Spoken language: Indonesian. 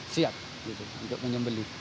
siap untuk menyembeli